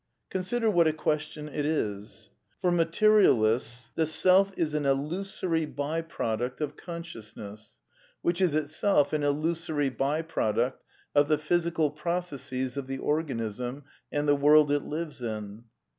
Consider what a question it is. For materialists the Self is an illusory by product of c PAN PSYCHISM OF SAMUEL BUTLER 8 consciousness, which is itself an illusory by product of the physical processes of the organism and the world it lives in.